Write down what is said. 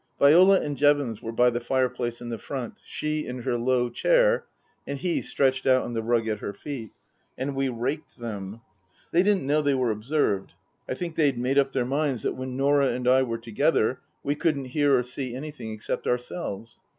Viola and Jevons were by the fireplace in the front, she in her low chair and he stretched out on the rug at her feet. And we raked them. They didn't know they were observed. I think they'd made up their minds that when Norah and I were together we couldn't hear or see anything except ourselves.